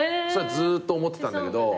ずっと思ってたんだけど。